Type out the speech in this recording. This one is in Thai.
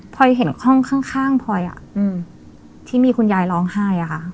พอยเห็นห้องข้างพลอยที่มีคุณยายร้องไห้อะค่ะ